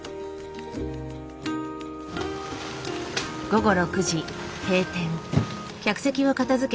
午後６時閉店。